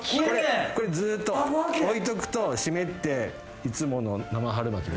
これずーっと置いとくと湿っていつもの生春巻き。